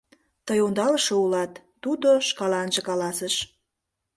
“Тый ондалыше улат!” — тудо шкаланже каласыш.